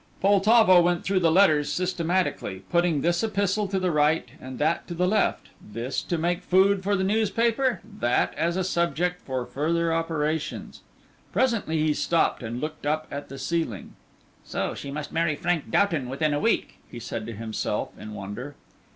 Poltavo went through the letters systematically, putting this epistle to the right, and that to the left; this to make food for the newspaper; that, as a subject for further operations. Presently he stopped and looked up at the ceiling. "So she must marry Frank Doughton within a week," he said to himself in wonder.